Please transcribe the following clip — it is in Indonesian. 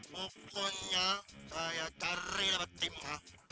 pokoknya saya cari lepetinnya